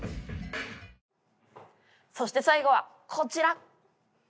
そして最後はこちら！